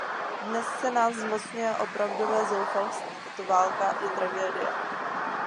Dnes se nás zmocňuje opravdové zoufalství; tato válka je tragédie.